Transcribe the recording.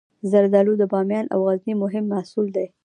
زردالو د بامیان او غزني مهم محصول دی.